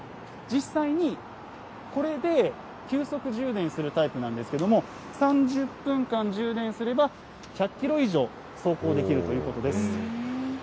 実際に、これで、急速充電するタイプなんですけれども、３０分間充電すれば、１００キロ以上走行できるということです。